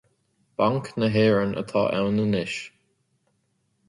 Banc na hÉireann atá ann anois